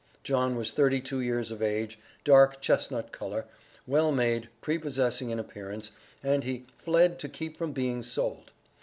John was thirty two years of age, dark chestnut color, well made, prepossessing in appearance, and he "fled to keep from being sold."